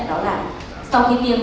đó là sau khi tiêm